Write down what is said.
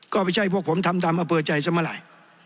ก็ไม่ใช่พวกผมทำตามอเบอร์ใจซะมาหลาย